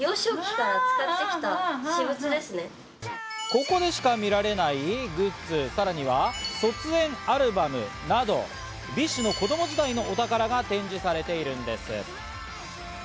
ここでしか見られないグッズ、そして卒園アルバムなど、ＢｉＳＨの子供時代のお宝が展示されているんです。